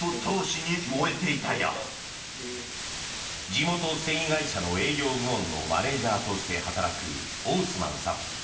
地元繊維会社の営業部門のマネジャーとして働くオースマンさん。